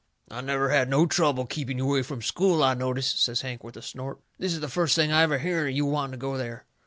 "I never had no trouble keeping you away from school, I notice," says Hank, with a snort. "This is the first I ever hearn of you wanting to go there."